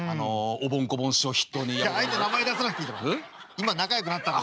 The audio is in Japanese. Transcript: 今仲よくなったから。